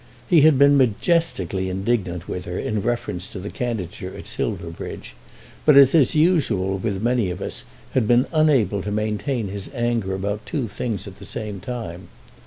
He had been majestically indignant with her in reference to the candidature at Silverbridge, but, as is usual with many of us, had been unable to maintain his anger about two things at the same time.